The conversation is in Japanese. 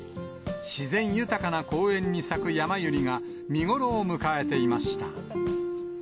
自然豊かな公園に咲くヤマユリが、見頃を迎えていました。